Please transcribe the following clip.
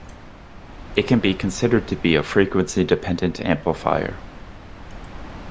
It can be considered to be a frequency-dependent amplifier.